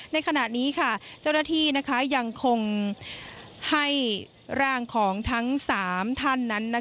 ในขณะนี้เจ้าหน้าที่ยังคงให้ร่างของทั้ง๓ท่านนั้น